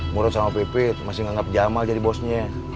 murad sama pipit masih nganggap jamal jadi bosnya